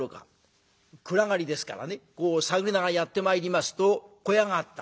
暗がりですからね探りながらやって参りますと小屋があった。